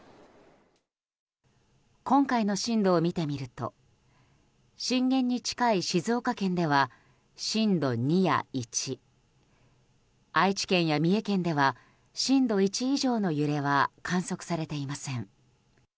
今回の震度を見てみると震源に近い静岡県では震度２や１愛知県や三重県では震度１以上の揺れは観測されていません。